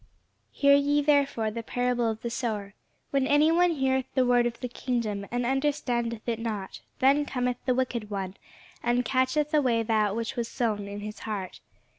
Hear ye therefore the parable of the sower. When any one heareth the word of the kingdom, and understandeth it not, then cometh the wicked one, and catcheth away that which was sown in his heart.